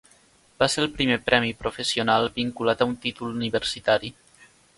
Va ser el primer premi professional vinculat a un títol universitari.